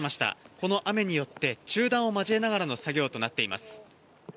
この雨によって、中断を交えながらの作業となっています。